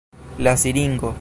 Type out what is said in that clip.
La siringo.